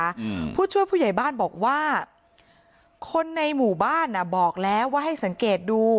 อืมผู้ช่วยผู้ใหญ่บ้านบอกว่าคนในหมู่บ้านอ่ะบอกแล้วว่าให้สังเกตดู